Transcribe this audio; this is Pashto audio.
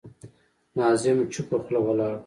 ناظم چوپه خوله ولاړ و.